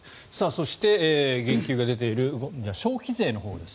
そして、言及が出ている消費税のほうです。